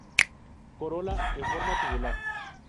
Corola en forma tubular.